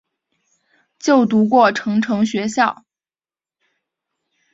就读过成城学校。